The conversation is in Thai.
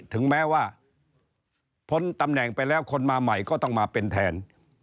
ถึงแม้ว่าพ้นตำแหน่งไปแล้วคนมาใหม่ก็ต้องมาเป็นแทน